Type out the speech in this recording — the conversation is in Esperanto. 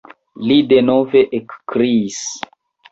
Li denove ekkriis.